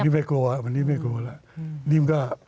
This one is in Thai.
วันนี้ไม่อยากกลัวอะไร